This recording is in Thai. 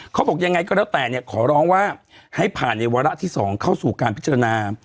เขาบอกยังไงก็แล้วแต่เนี่ยขอร้องว่าให้ผ่านในวาระที่๒เข้าสู่การพิจารณา